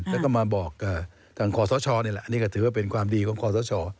แล้วก็มาบอกกับทางขอสชนี่แหละนี่ก็ถือว่าเป็นความดีของคอสช